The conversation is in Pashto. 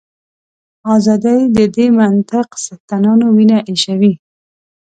ازادي د دې منطق څښتنانو وینه ایشوي.